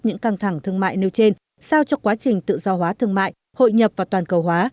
những căng thẳng thương mại nêu trên sao cho quá trình tự do hóa thương mại hội nhập và toàn cầu hóa